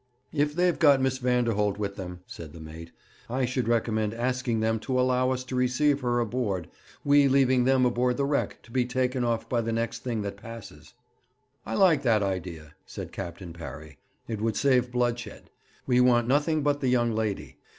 'If they've got Miss Vanderholt with them,' said the mate, 'I should recommend asking them to allow us to receive her aboard we leaving them aboard the wreck to be taken off by the next thing that passes.' 'I like that idea,' said Captain Parry; 'it would save bloodshed. We want nothing but the young lady.